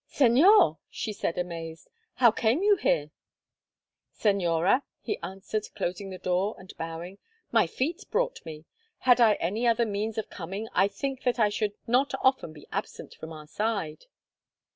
"Señor!" she said, amazed, "how came you here?" "Señora," he answered, closing the door and bowing, "my feet brought me. Had I any other means of coming I think that I should not often be absent from your side."